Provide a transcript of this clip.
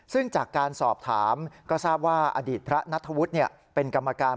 ซึ่งจากการสอบถามก็ทราบว่าอดีตพระนัทธวุฒิเป็นกรรมการ